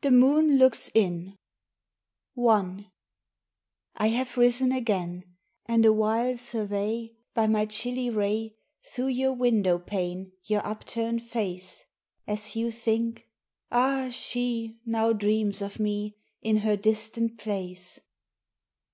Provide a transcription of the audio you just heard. THE MOON LOOKS IN I I have risen again, And awhile survey By my chilly ray Through your window pane Your upturned face, As you think, "Ah she Now dreams of me In her distant place!"